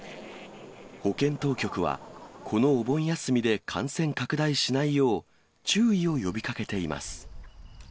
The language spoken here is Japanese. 保健当局は、このお盆休みで感染拡大しないよう、注意を呼びかけています。